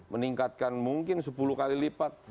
meningkatkan mungkin sepuluh kali lipat